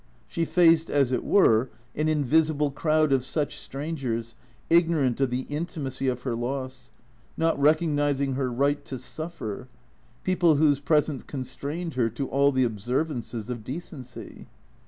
She faced, as it were, an invisible crowd of such strangers, ignorant of the intimacy of her loss, not rec ognizing her right to suffer, people whose presence constrained her to all the observances of decency.